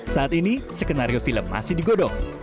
saat ini skenario film masih digodok